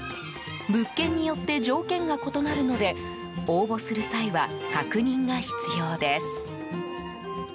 物件によって条件が異なるので応募する際は確認が必要です。